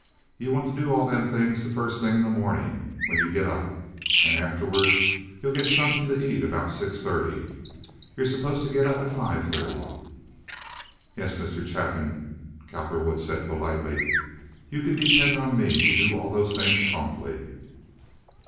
You want to do all them things the first thing in the mornin' when you get up, and afterward you'll get sumpin' to eat, about six thirty. You're supposed to get up at five thirty." "Yes, Mr. Chapin," Cowperwood said, politely. "You can depend on me to do all those things promptly."